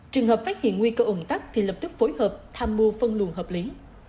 trường hợp phát hiện nguy cơ ủng tắc thì lập tức phối hợp tham mưu phân luận hợp lý